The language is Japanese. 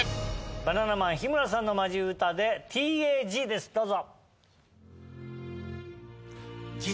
バナナマン日村さんのマジ歌で『ＴＡＺ』ですどうぞ。